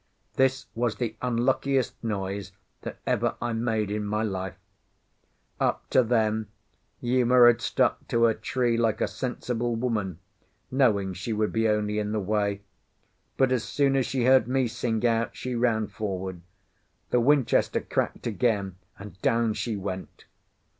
This was the unluckiest noise that ever I made in my life. Up to then Uma had stuck to her tree like a sensible woman, knowing she would be only in the way; but as soon as she heard me sing out, she ran forward. The Winchester cracked again, and down she went.